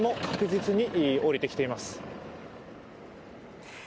確実におりてきています。